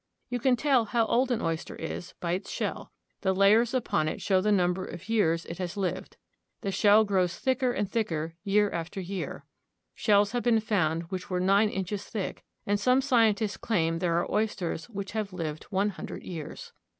You can tell how old an oyster is by its shell. The layers upon it show the number of years Oyster Dredging. it has lived. The shell grows thicker and thicker year after year. Shells have been found which were nine inches thick, and some scientists claim there are oysters which have lived one hundred years.